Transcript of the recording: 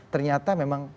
ternyata memang tidak